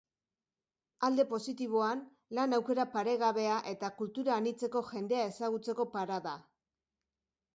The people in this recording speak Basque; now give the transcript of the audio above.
Alde positiboan, lan aukera paregabea eta kultura anitzeko jendea ezagutzeko parada.